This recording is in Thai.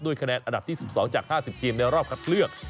คะแนนอันดับที่๑๒จาก๕๐ทีมในรอบคัดเลือก